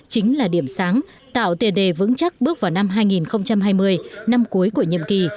chính là điểm sáng tạo tiền đề vững chắc bước vào năm hai nghìn hai mươi năm cuối của nhiệm kỳ